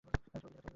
সে ঐ দিকে গেছে!